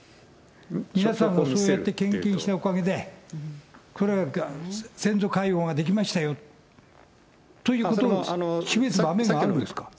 皆さんがそうやって献金したおかげで、先祖解怨ができましたよということを示される場面があるんですか。